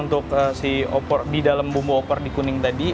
iya bisa langsung dimasukkan untuk si opor di dalam bumbu opor di kuning tadi